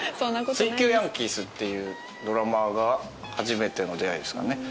『水球ヤンキース』ってドラマが初めての出会いですかね。